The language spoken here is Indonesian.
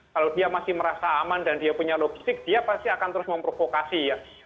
kalau dia masih merasa aman dan dia punya logistik dia pasti akan terus memprovokasi ya